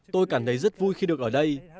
tôi cảm thấy rất vui khi được ở đây